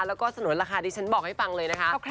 แล้วก็สนุนราคาดิฉันบอกให้ฟังเลยนะคะ